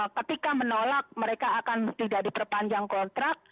ketika menolak mereka akan tidak diperpanjang kontrak